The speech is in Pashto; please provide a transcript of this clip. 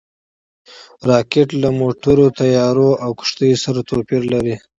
راکټ له موټرو، طیارو او کښتیو سره توپیر لري